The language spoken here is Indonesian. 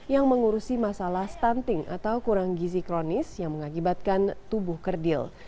yang mengurusi masalah stunting atau kurang gizi kronis yang mengakibatkan tubuh kerdil